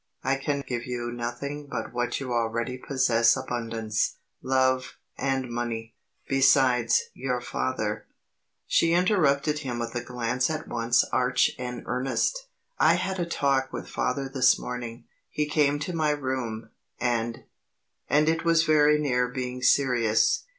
I can give you nothing but what you already possess abundance love, and money. Besides, your father " She interrupted him with a glance at once arch and earnest. "I had a talk with Father this morning. He came to my room, and and it was very near being serious.